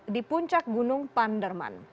di puncak gunung panderman